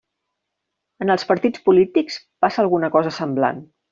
En els partits polítics passa alguna cosa semblant.